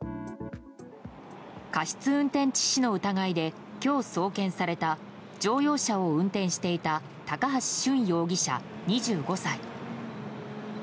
過失運転致死の疑いで今日送検された乗用車を運転していた高橋俊容疑者、２５歳。